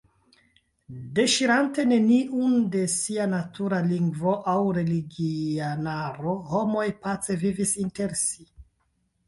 Deŝirante neniun de sia natura lingvo aŭ religianaro, homoj pace vivis inter si.